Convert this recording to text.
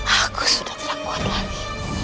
aku sudah tidak buat lagi